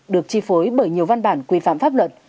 được chi phối bởi nhiều văn bản quy phạm pháp luật